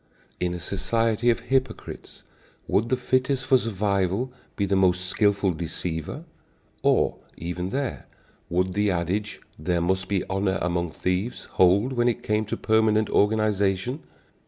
In a society of hypocrites, would the fittest for survival be the most skilful deceiver? Or, even there, would the adage, "There must be honor among thieves," hold, when it came to permanent organization?